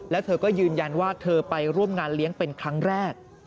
แล้วเธอก็ยืนยันว่าเธอไปร่วมงานเลี้ยงเป็นครั้งแรก